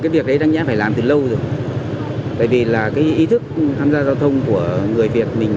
với coi thường những quy định